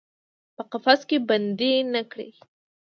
په قفس کې بندۍ نه کړي